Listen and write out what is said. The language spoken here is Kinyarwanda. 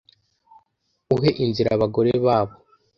uhe inzira abagore babo